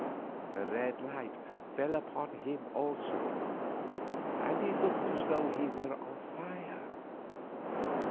The red light fell upon him also, and he looked as though he were on fire.